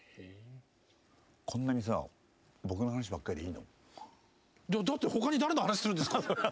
こんなにさ僕の話ばっかりでいいの？だって他に誰の話するんですか？